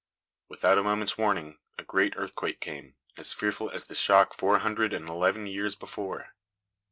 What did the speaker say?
Without a moment's warning, a great earthquake came, as fearful as the shock four hundred and eleven years before.